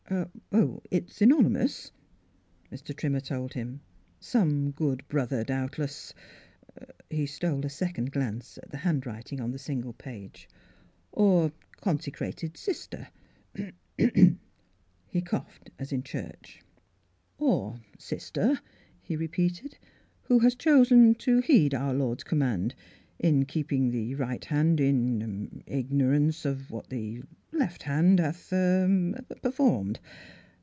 " It's anonymous," Mr. Trimmer told him. " Some good brother doubtless —" He stole a second glance at the hand writing on the single page —" or conse crated sister." He coughed as if in church. " Or sister," he repeated, " who has chosen to heed our Lord's command in keeping the right hand in — er — igno rance of what the left hand hath — ah — Mdss Fhilura's Wedding Gown pufformed.